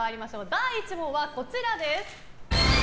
第１問はこちらです。